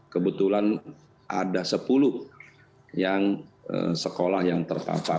kebetulan ada sepuluh sekolah yang terpapar